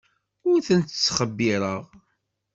Ur tent-ttxebbireɣ.